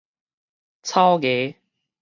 草衙